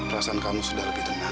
perasaan kamu sudah lebih tenang